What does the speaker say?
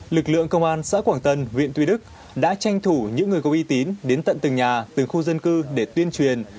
lực lượng công an xã quảng tân huyện tuy đức đã tranh thủ những người có uy tín đến tận từng nhà từng khu dân cư để tuyên truyền